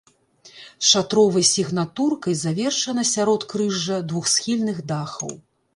Шатровай сігнатуркай завершана сяродкрыжжа двухсхільных дахаў.